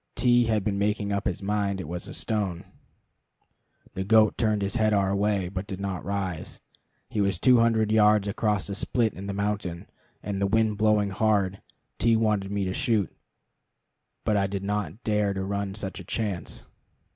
T had been making up his mind it was a stone. The goat turned his head our way, but did not rise. He was two hundred yards across a split in the mountain, and the wind blowing hard. T wanted me to shoot, but I did not dare to run such a chance.